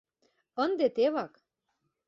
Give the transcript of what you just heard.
Ынде тевак.